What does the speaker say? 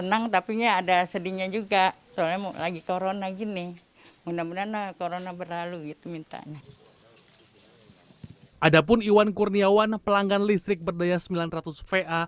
adapun iwan kurniawan pelanggan listrik berdaya sembilan ratus va